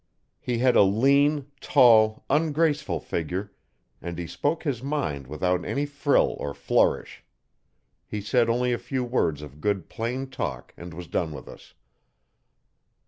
He had a lean, tall, ungraceful figure and he spoke his mind without any frill or flourish. He said only a few words of good plain talk and was done with us.